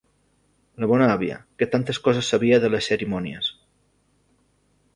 La bona àvia, que tantes coses sabia de les cerimònies.